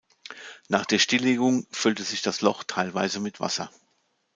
Nach der Stilllegung füllte sich das Loch teilweise mit Wasser.